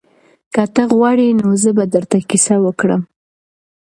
که ته غواړې نو زه به درته کیسه وکړم.